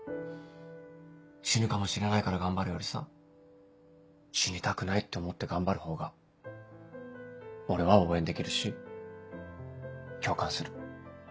死ぬかもしれないから頑張るよりさ死にたくないって思って頑張る方が俺は応援できるし共感する。